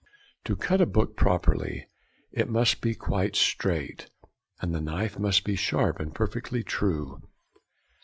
] To cut a book properly it must be quite straight, and the knife must be sharp and perfectly true.